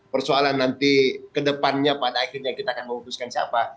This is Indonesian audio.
persoalan nanti kedepannya pada akhirnya kita akan memutuskan siapa